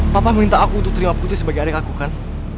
papa minta aku untuk terima putri sebagai ada yang aku kan